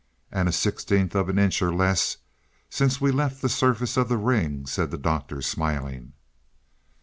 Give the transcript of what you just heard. "And a sixteenth of an inch or less since we left the surface of the ring," said the Doctor smiling.